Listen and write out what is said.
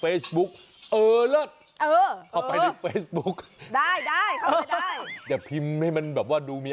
เออเลิศเออเลิศอะไรแบบนี้